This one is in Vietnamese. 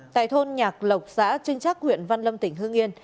tại thôn nhạc lộc xã trinh trác huyện văn lâm tỉnh hương yên